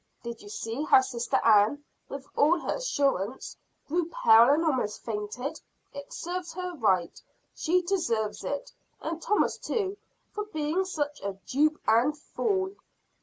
Did you see how sister Ann, with all her assurance, grew pale and almost fainted? It serves her right; she deserves it; and Thomas too, for being such a dupe and fool."